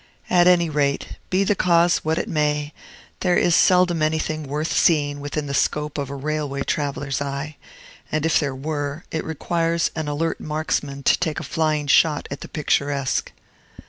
At any rate, be the cause what it may, there is seldom anything worth seeing within the scope of a railway traveller's eye; and if there were, it requires an alert marksman to take a flying shot at the picturesque.